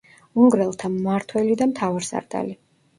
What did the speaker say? უნგრელთა მმართველი და მთავარსარდალი.